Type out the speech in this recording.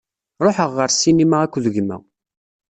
Ruḥeɣ ɣer sinima akked gma.